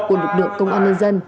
của lực lượng công an nhân dân